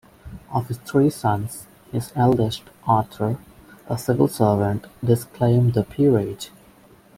Of his three sons, his eldest, Arthur, a civil servant, disclaimed the peerage.